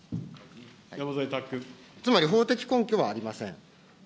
つまり、法的根拠はありません。